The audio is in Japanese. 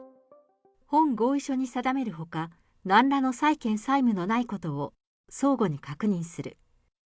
本合意書に定めるほか、なんらの債権債務のないことを相互に確認する。